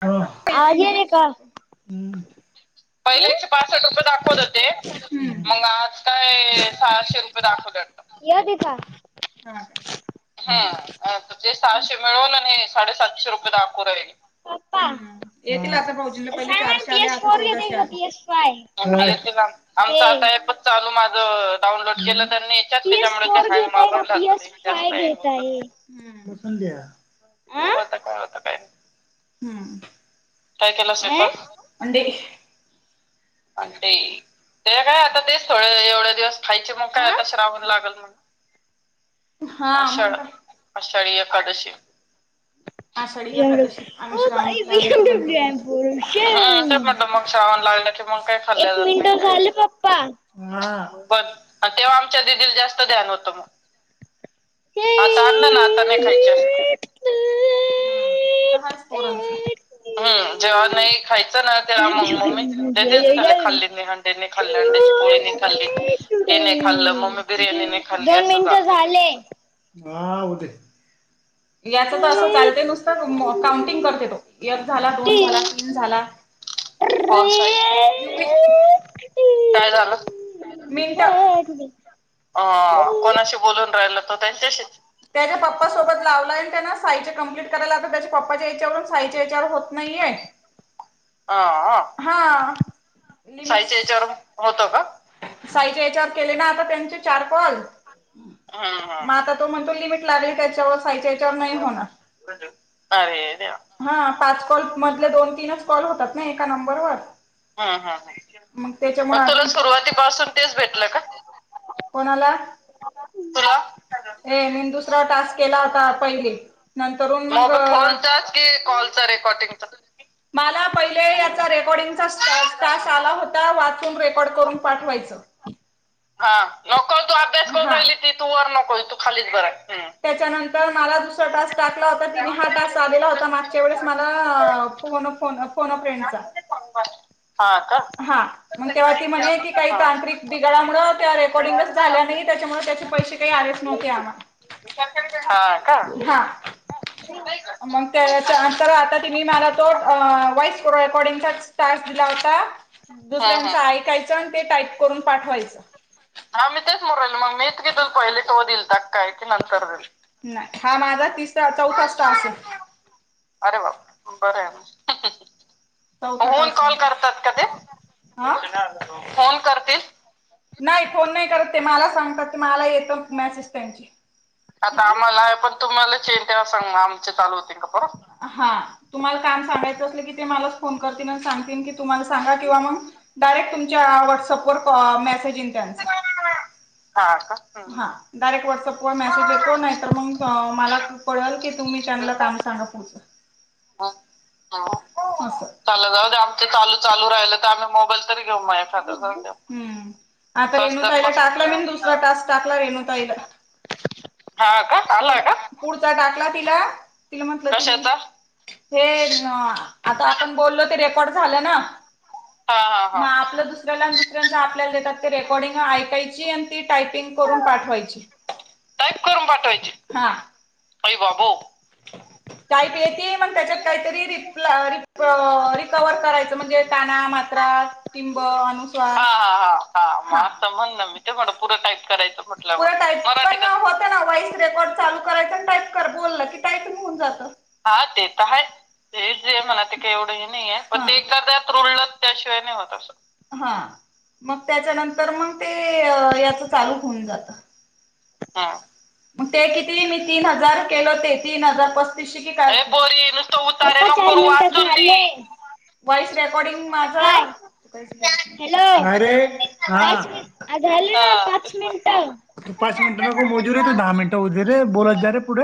[unintelligible] पहिले आवाज येते का? हम्म एकशे पासष्ट रुपये दाखवत होते मग आज काय सहाशे रुपये दाखवले वाटत. [unintelligible] हा हा अ ते सहाशे मिळून आणि साडेसातशे रुपये दाखऊ राहिल. पप्पा हम् येतील आता भाऊजींला पहिले सांगा ना चारशे पी आले एस आता फोर घेताय चौदाशे का आले. P S five? आमच ते आता ऍपच चालू माझ डाउनलोड केलं. [unintelligible] बघू पी एस फोर घेताय का पी एस फाय घेताय? अं आता काय होतं काय. हम्म. काय केला अं स्वयपाक? अंडे. अंडे- ते काय, आता तेच थोडे एवढे दिवस खायचे मग काय अं आता श्रावण लागल मग हा. आषाढ, आषाढी एकादशी. आषाढी एकादशी. बीएमडब्ल्यू ओ बाई हम्म ते म्हटलं मग श्रावण लागलं की मग काय खाल्लं [unintelligible] झाल पप्पा. हा. परत हा. तेव्हा आमच्या दिदीला जास्त ध्यान होतं मग. आता आणलं ना आता नाही खाइत जास्त. हा. हायच पोरांचं. हुं. जेव्हा नाही खायचं राहत ना? मग मम्मी, लय दिवस झाले खाल्ली नाही अंडे नाही खाल्ले. अंडे ची पोळी नाही खाल्ली. नाही खाल्लं मम्मी बिर्याणी नाही खाल्ली दोन असं मिनिट चालतं ते झाले. तिचं. हा. होऊदे, याच तर असं चालते नुसत म काउंटिंग करते तो. एक झाला, दोन झाला, तीन झाला [unintelligible] काय झालं? मिंट- काय कुठे? अ. कोणाशी बोलून राहिला तो त्यांच्याशीच. त्याच्या पप्पासोबत लावलाय न त्यान साईच्या कंप्लेंट करायला आता त्याच्या पप्पाच्या याच्या वरून साईच्या याच्यावर होत नाहीेये. आ. हा. साईच्या याच्यावरून होत का? साईच्या याच्यावरून केले ना आता त्यांचे चार कॉल. हा. हा. म आता तो म्हणतो लिमिट लागेल, त्याच्यावर साइच्या याच्यावर नाही होणार. अरे देवा! हा. पाच कॉल मधले दोन तीनच कॉल होतात ना एका नंबरवर. ह ह ह मग त्याच्या मुळ मग, तुलाच. सुरुवातीपासून तेच भेटल का? कोणाला? तुला. ये मी दुसरा टास्क केला होता पहिले. नंतरून- मग फोनचाच की? कॉलचा रेकॉर्डिंगचा. मला पहिले याचा रेकॉर्डिंगचा टास्क आला होता. वाचून रेकॉर्ड करून पाठवायचा. [unintelligible] हा नको तू अभ्यास करून राहिली ती. तू वर नको तू खालीच बराय. त्याच्यानंतर- मला दुसरा टास्क टाकला होता. ती हा टास्क आलेला होता. मागच्या वेळेस मला फोन, फोन अ फ्रेंडचा- हा का? हा. मग तेव्हा ती म्हणे की काही तांत्रिक बिघाडामुळे त्या रेकॉर्डिंगच झाल्या नाहित. त्याच्यामुळे त्याचे पैसे काही आलेच न्हवते आम्हाला. हा का? हा. [unintelligible] तर आता तिन्ही मला तो वॉइस रेकॉर्डिंगचाच टास्क दिला होता- दुसऱ्यांचं ऐकायचं आणि ते टाईप करून पाठवायचं. हा. मी तेच म्हणून राहिलो मग मी पहिले तो दिलता की काय मग नंतर दिलता. हा माझा तिस- रा चौथाच् टास्क आहे. अरे बापरे! बर आहे मग, चौथा फोन कॉल करा. तात का ते? फोन करतील. नाही. फोन नाही करत ते मला सांगतात, ते मला येतात मॅसेज त्यांचे. आता आम्हाला पण तुम्हालाच येईन तेव्हा सांग, मग आमचे चालू होतीन का परत? हा. तुम्हाला काम सांगायचं असलं की ते मलाच फोन करतील आणि सांगतील की- तुम्हाला सांगा किंवा मग डायरेक्ट तुमच्या व्हॉट्सअप वर कॉ मेसेज येईन त्यांचा. हा का? हा. डायरेक्ट व्हॉट्सअपवर मॅसेज येतो नाही तर मग मला- कळल की तुम्ही त्यांनला काम सांगा [unintelligible] चला जाऊ दे कॉल चालू राहिला तरी आपलं मोबाईल तरी- माय खात्यावर जम. आता रेणुताईला टाकला मीन. दुसरा टास्क टाकला रेणुताईला. हा का? आला का? पुढचा टाकला तिला तिला म्हटलं, कशाचा? हे आता आपण बोललो ते रेकॉर्ड झालं ना हा हा हा मग आपलं दुसऱ्याला आणि दुसऱ्यांच आपल्याला देतात ते रेकॉर्डिंग ऐकायची आणि ती टायपिंग करून पाठवायची, टाईप करून पाठवायचे? हा अय बाबो काही ते येते मग त्याच्यात काहीतरी रप् रिप रिकव्हर करायचं म्हणजे काना मात्रा मात्रा, टिंब, अनुस्वार. हा. हा. हा म असं म्हणण मी ते पुरं टाईप करायचं म्हटल्यावर मराठीतच. पण होत ना व्हॉइस रेकॉर्ड चालू करायचं अनं [unintelligible] टाईप होऊन जातं. हा ते तर हायच ते जे म्हणा ते काय एवढं नाहीे पण ते एखाद्या रुळलं त्याशिवाय नाही होत अस मग त्याच्यानंतर मग ते याच चालू होऊन जात ह मग ते किती म तीन हजार केल ते तीन हजार पस्तीसशे की काय ए पोरी नुसतं उतारे पप्पा नको चार करू मिनिटं वाचून दे झाले वॉइस रेकॉर्डिंग माझ काय हॅलो काय रे हा पाच मिनिट झाले हा ना पाच तेच मिनिट म्हणलं तू पाच मिनिटं नको मोजू रे दहा मिनिटं होऊ दे रे बोला जाले पुढ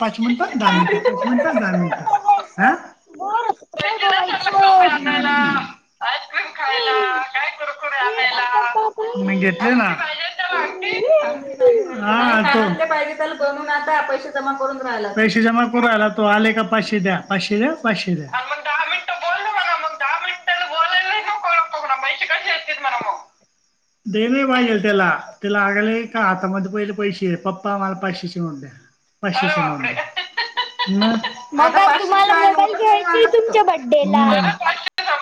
पाच मिनिटं, दहा काय मिनिटं, मिनिटं दहा मिनिटं ह परत काय बोलायचं उठ फॅन ए लाव खायला काय कुरकुर मग आणयला मगं देते ना आंटी हा आणतो नाही दारातले पाहिजे तेला बनून आण पैसे जमा करून राहिला पैसे जमा करून राहिला तो आले का पाचशे द्या, पाचशे द्या, पाचशे द्या, हा मग दहा मिनिटं बोललो [unintelligible] हो पैशे कशे आलतेत म्हणावं [inaudible] दे नाही पाहिजेल त्याला तिला आगाल का आता मध्ये पहिले पैसे पप्पा आम्हाला पाचशेशे म्हून द्या पश ना आता काय पशच तुम्हाला अन मोबाईल घ्यायचाय तुमच्या मुठून बड्डेला.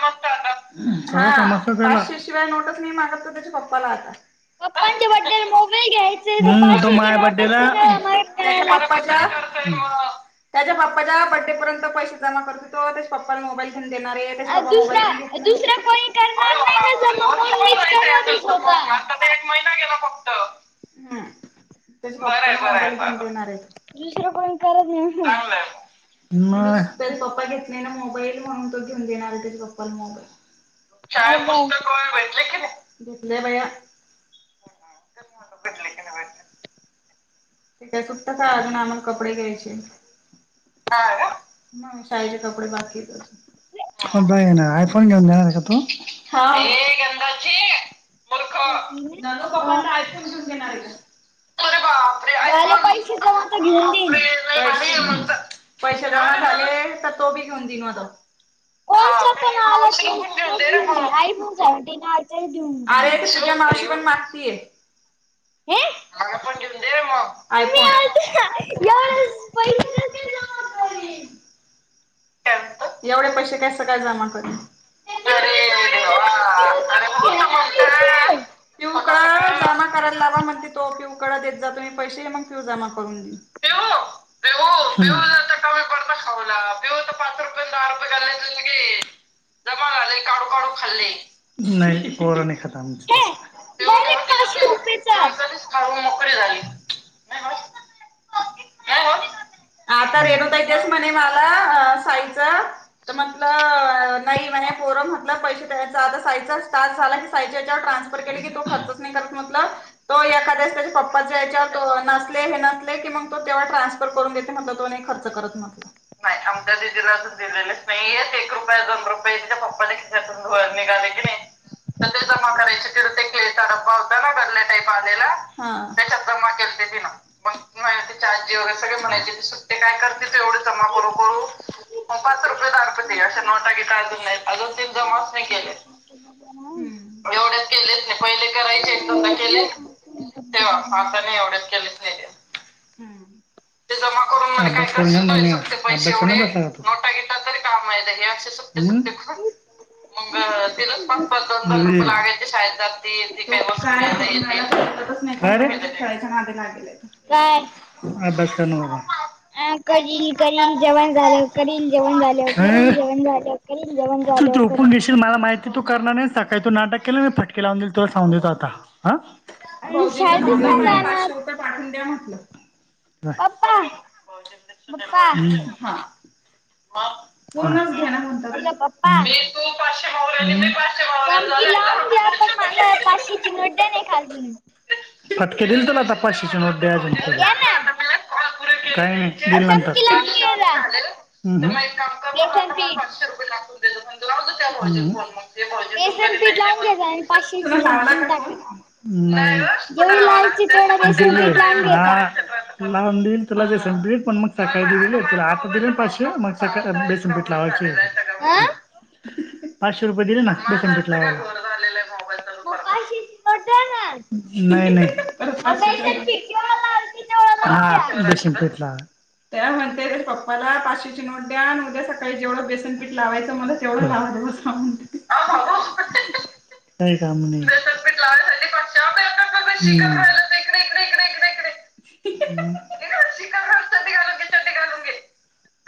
मत हशिवाय नोटस मी मागतो त्याच्या पप्पाला आता पप्पांच्या बड्डेल मोबाईल घ्यायचे तर पाचशेची नोटस ना त्याच्या पप्पाच्या त्याच्या पप्पाच्या बर्थडे पर्यंत पैसे जमा करत तो त्याच्या पप्पाला मोईल अ मोबाईल दुसरा दुसरा कोणी करणार नाही ना जमा म्हणून मीच करत आहे स्वतः. आता ते एक महिना गेला फक्त बर बर येणारच दुसरं कोणी करत नाही तरी पप्पा घेतले ना मोबाईल म्हणून तो घेऊन देणार आहे तरी पप्पाला मोबाईल मग शाळेत काय. पुस्तक भेटले की नाही घेतले मया ठी काय सुट्ट का अजून आमही कपडे घ्यायचे हा साईज कपडे बाकीच फय घ आयफोन घेऊन जा तू मूर्ख नंदू पप्पांना आयफोन घेऊन घेणार आहे ह का अरे बापरे आई झाले पैसे जम आता घेऊन देईन मग पैसे जमा झाले तर तो बी घेऊन देईन म त हो को पण आला ते तोच दे रे घेऊन गेला मग आयफोन आ देऊन मागतीय पण रे मग आयफोन. मी आतास पै एवढे पैसे काय टल जमा कर ते पिऊने तोडले तर पिऊ टाकते ना पैसे. पिऊक लामा करायला लावा म्हणते तो पिऊकळा देत जातुम्ही पैसे मग जमा करून ते ते प कमी पडता खाला अ हो तर पाच रुपये दहा रुपये झाले की जमा झाले काढू काढू खाल्ले नाही कोरो नाही खातल् हे डायरेक्ट पाचशे रुपयेचा. मोकळी झाली बस. रेणूताच्यास म्हणे मला सा म्हटलं नाही म्ह पोर म्हटलं पैसे द्याच आ साई च्यावर्रान्र के क तो खर्चत म्हट तो एखा्या त्याच्यावरच्या वर नाचले हे नाचले की मग तो तेव्हा ट्रान्सफर करून घेते म्हट तो खर्च करत म्हटलं आम दिदीला अजून दिलेले नाहीेत एक रुपया दोन रुपये तिच्या पप्पाच्या खिशातून धुर निघाले की नाही तर ते जमा करायचे ति ते क्लेचा डब्बा होता ना गरल्या टाईप आलेला त्याच्यात जमा केला जीर म्ह ते सुट्टे काय करतीलवढ ज कर पाच रुपये दारपती अशा नोटाग अजून नाही अजून तन जमा अस नाही केले एवढेच केलेच नाही पहिले करायचे दम केले तेव्हा मतानी एवढेच केले पाहिजे का पै नोटा गिटा तरी कामा आहे हे असे मग तिलाच पाच पन लागायचे शाेत त त ववस् रच्या माधे काय? लागेल बस अ करील करील जेवण झाल करील जेवण झाल करील अ जेवण झाल करील जेवण तू झाल्यावर करील. झोपून घेशील मला माहिती तू करणार नाही काही तू नाटक केलं मी फटके लावून देई तोला सांगून देतो आता हा अ भाऊजींला शाळेतच नाही मलाला जाणार. पाचशे होत पाढून द्या म्हटलं पप्पा पप्पा हम हा पूर्णच घ्या ना म्हण हॅलो मीे सम कि लावून घ्या पण मला पाशीची लोड्ड्या नाही खाल्ली फटके दिल तुला तपाशीच नट द्याज द्या तला ना काही नाही दिन चमकी लावून नंतरशे घे जा बेसन पीठ रये ला त्यालायऊ म बेसन पीठ लावून घ्यायचा आणि पाचशेन टाका जेवढी लावायची तेवढा हम् ब बेसन पीठ लावून घे हा जा लावून देईल तुला जे संपईल पण मग सकाळी दि दिल तुला आता दिले पाचशे मग बेसपीट लावायची हा पाचशे रुपये दिले ना बेसन घेतला मग पाचशेची नोट द्या ना नाही मग नाही बेसन पीठ केवढं लावायचं तेवढं लावून द्या हा दशिम पेठला त्या म्हणते पप्पाला पाचशीेची नोट द्या आणि उद्या सकाळी जेवढं बेसनपीठ लावायचं मला एवढं लावते काम ला श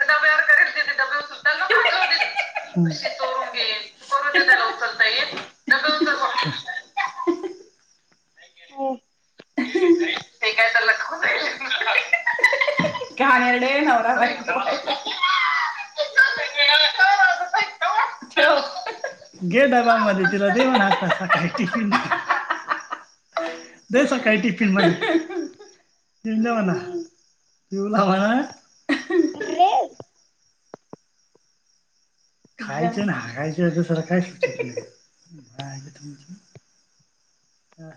डब्यावर ो त्याला उचलता येल [inaudible] हम हे काय तर लग कहाण्या नवरा नाही [inaudible] घे डबामध्येध्ये तुला जेवण आता सकाळी टिन देस काय टिफन म तऊ ला म ना तिवलावा रेल खायचं ना हागायच [unintelligible] हा.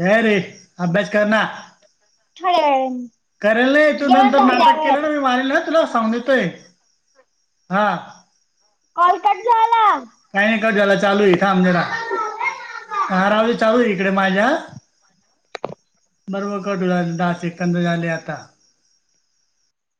जाय रे अभ्यास करना थोड्या वेळाने करेल ना तू जेवण नंतर नाटक केलं झाल्यावर ना मी मारल ना तुला सांगून ठेव होत काय हा कॉल कट झाला. काही नाही कट झाला चालू आहे थांब जरा माझा झालाय माझा हा राहू दे चालू आहे इकडे माझ्या बर मग कट होऊ दे दाह एकंद झाले आता